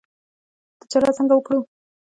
تجارت څنګه وکړو؟